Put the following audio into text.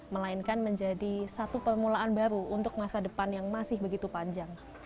melainkan menjadi satu permulaan baru untuk masa depan yang masih begitu panjang